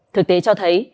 thực tế cho thấy